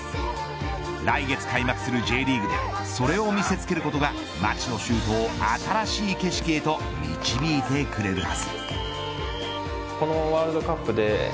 来月開幕するＪリーグでそれを見せつけることが町野修斗を新しい景色へと導いてくれるはず。